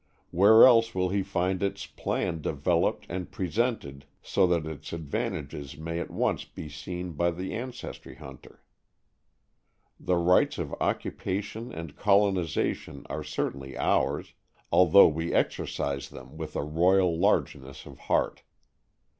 Where else will he find its plan developed and presented so that its advantages may at once be seen by the ancestry hunter? The rights of occupation and colonization are certainly ours, although we exercise them with a royal largeness of heart!